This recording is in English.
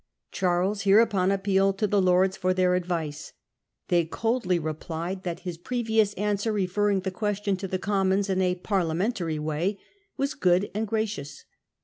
Charles hereupon appealed to the Lords for their advice. They coldly replied that his previous answer referring the question to the Commons 4 in a parliamentary way' was 'good and gracious.